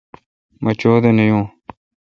مہ چودہ نہ یون